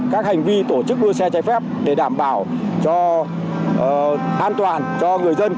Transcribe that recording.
các hành vi tổ chức đua xe trái phép để đảm bảo cho an toàn cho người dân